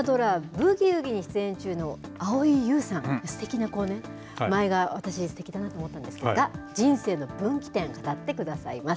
ブギウギに出演中の蒼井優さん、すてきなこうね、舞が私、すてきだなと思ったんですが、人生の分岐点、語ってくださいます。